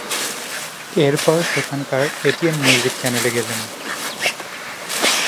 এরপর সেখানকার "ATN music" চ্যানেলে গেলেন।